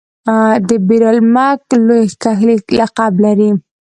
دبیر المک لوی کښلی لقب لري.